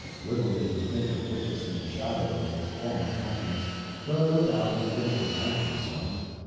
Little did he think of witnessing a shadow of his former happiness, though no doubt he wished it might be so.